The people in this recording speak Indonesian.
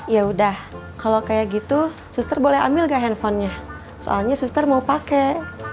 ya udah kalau kayak gitu suster boleh ambil gak handphonenya soalnya suster mau pakai